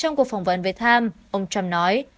trong cuộc phỏng vấn về tham ông trump nói